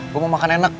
gue mau makan enak